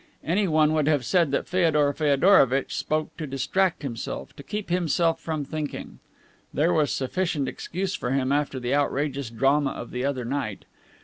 Anyone would have said that Feodor Feodorovitch spoke to distract himself, to keep himself from thinking. There was sufficient excuse for him after the outrageous drama of the other night.